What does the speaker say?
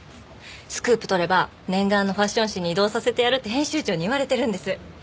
スクープ取れば念願のファッション誌に異動させてやるって編集長に言われてるんです。